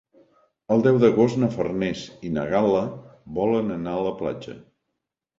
El deu d'agost na Farners i na Gal·la volen anar a la platja.